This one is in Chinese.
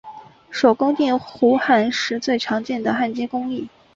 手工电弧焊最常见的焊接工艺。